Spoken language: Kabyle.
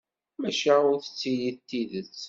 Maca ur tettili d tidet